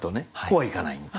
こうはいかない。